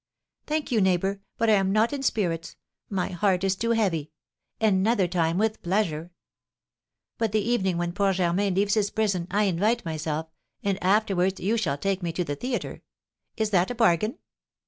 "Thank you, neighbour; but I am not in spirits, my heart is too heavy, another time with pleasure. But the evening when poor Germain leaves his prison, I invite myself, and afterwards you shall take me to the theatre. Is that a bargain?"